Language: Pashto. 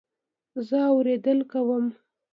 زه اورېدل کوم